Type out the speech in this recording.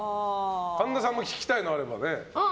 神田さんも聞きたいのあれば。